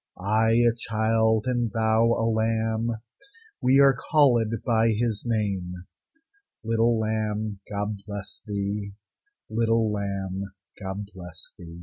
I a child, and thou a lamb, We are callèd by His name. Little lamb, God bless thee! Little lamb, God bless thee!